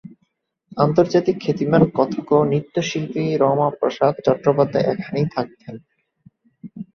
আন্তর্জাতিক খ্যাতিমান কথক নৃত্যশিল্পী, রমা প্রসাদ চট্টোপাধ্যায় এখানেই থাকতেন।